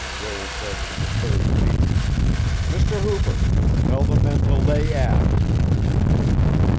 Joel said to the third mate: "Mr. Hooper, tell the men to lay aft."